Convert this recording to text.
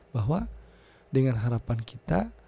bahwa dengan harapan kita